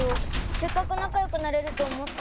せっかくなかよくなれるとおもったのに。